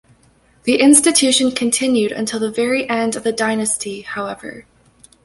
The institution continued until the very end of the dynasty, however.